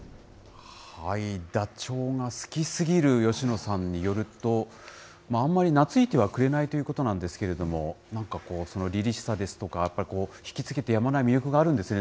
ダチョウが好きすぎる吉野さんによると、あんまりなついてはくれないということなんですけれども、なんか、そのりりしさですとか、やっぱり引きつけてやまない魅力があるんですね。